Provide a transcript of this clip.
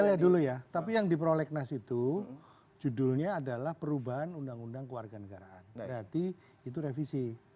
kita lihat dulu ya tapi yang di prolegnas itu judulnya adalah perubahan undang undang kewarganegaraan berarti itu revisi